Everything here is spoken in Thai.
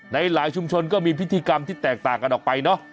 หลายชุมชนก็มีพิธีกรรมที่แตกต่างกันออกไปเนอะ